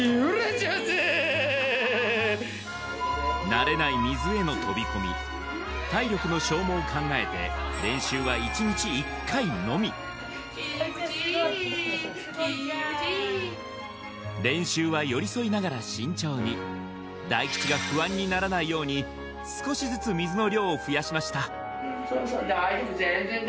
慣れない水への飛び込み体力の消耗を考えて練習は１日１回のみ気持ちいい気持ちいい練習は寄り添いながら慎重に大吉が不安にならないように少しずつ水の量を増やしました